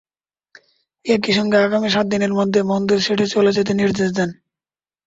একই সঙ্গে আগামী সাত দিনের মধ্যে মন্দির ছেড়ে চলে যেতে নির্দেশ দেন।